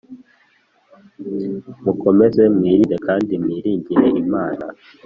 mukomeze mwirinde kandi mwiringire Imana